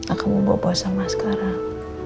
aku mau bawa sama sekarang